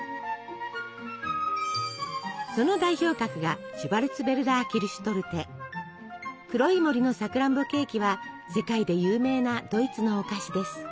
その代表格が「黒い森のさくらんぼケーキ」は世界で有名なドイツのお菓子です。